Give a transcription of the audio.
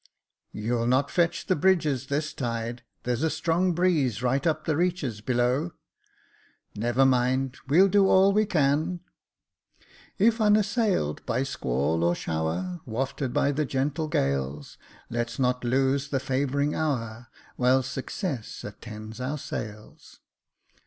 *' You'll not fetch the bridges this tide — there's a strong breeze right up the reaches below." " Never mind, we'll do all we can. " If unassail'd by squall or shower, Wafted by the gentle gales. Let's not lose the favouring hour, while success attends our sails."